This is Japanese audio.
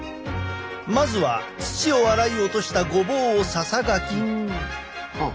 まずは土を洗い落としたごぼうをささがき。